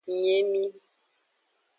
Nye emi.